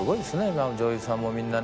今の女優さんもみんなね。